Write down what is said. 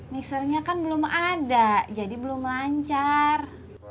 mixernya kan belum ada jadi belum lancar